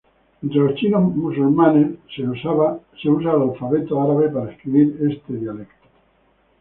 Entre los chinos musulmanes, se usa el alfabeto árabe para escribir este dialecto.